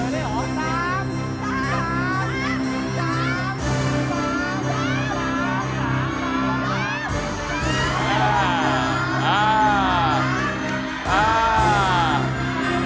สาม